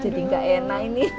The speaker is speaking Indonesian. jadi gak enak ini